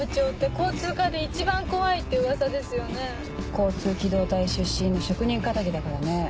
交通機動隊出身の職人かたぎだからね。